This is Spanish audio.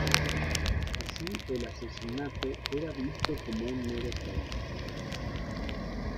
Así, el asesinato era visto como un mero trabajo.